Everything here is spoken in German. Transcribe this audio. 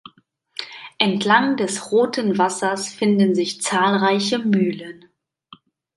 Entlang des "Roten Wassers" finden sich zahlreiche Mühlen.